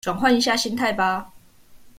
轉換一下心態吧